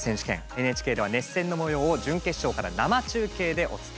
ＮＨＫでは熱戦の模様を準決勝から生中継でお伝えします。